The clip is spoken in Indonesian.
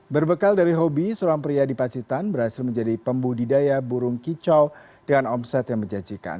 berbekal dari hobi seorang pria di pacitan berhasil menjadi pembudidaya burung kicau dengan omset yang menjanjikan